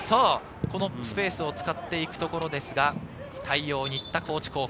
スペースを使っていくところですが、対応に行った高知高校。